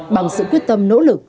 bằng sự quyết tâm nỗ lực